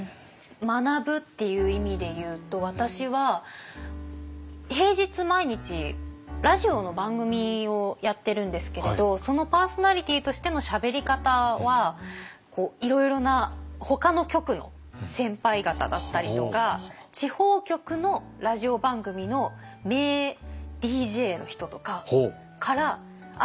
学ぶっていう意味でいうと私は平日毎日ラジオの番組をやってるんですけれどそのパーソナリティーとしてのしゃべり方はいろいろなほかの局の先輩方だったりとか地方局のラジオ番組の名ＤＪの人とかからあ